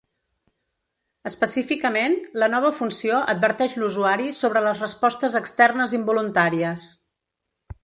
Específicament, la nova funció adverteix l’usuari sobre les respostes externes involuntàries.